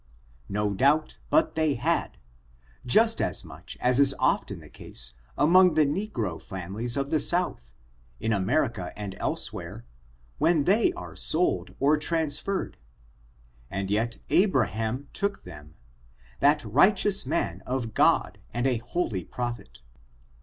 No doubt but they had; just as much as is often the case among the negro families of the south, in Amer ica and elsewhere, when they are sold or transferred; and yet Abraham took them — that righteous man of God and a holy prophet.